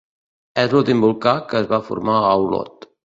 És l'últim volcà que es va formar a Olot.